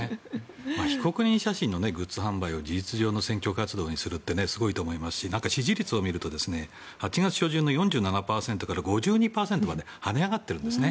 被告人写真のグッズ販売を事実上の選挙活動にするってすごいと思いますし支持率を見ると８月初旬の４７％から５２％まではね上がっているんです。